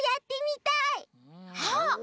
あっ！